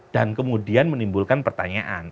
dan kemudian menimbulkan pertanyaan